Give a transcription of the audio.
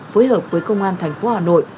phối hợp với công an thành phố hà nội